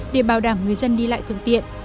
để bảo đảm người dân đi lại thường tiện